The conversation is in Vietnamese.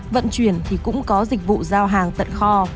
vận chuyển thì cũng có dịch vụ giao hàng tận kho